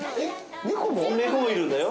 猫もいるんだよ。